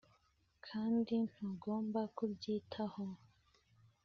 kandi ntugomba kubyitaho.